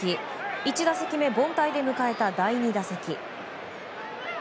１打席目凡退で迎えた第２打席。